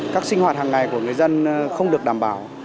các sinh hoạt hàng ngày của người dân không được đảm bảo